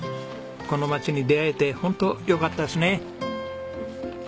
この町に出会えて本当よかったですね。